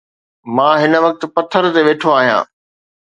مان هن وقت پٿر تي ويٺو آهيان